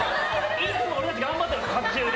いつも俺たち頑張ってるんです隔週で。